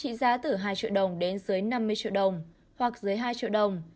trị giá từ hai triệu đồng đến dưới năm mươi triệu đồng hoặc dưới hai triệu đồng